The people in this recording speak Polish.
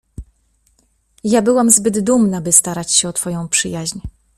— Ja byłam zbyt dumna, by starać się o twoją przyjaźń.